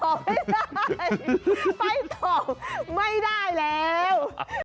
ไปต่อไม่ได้แล้ว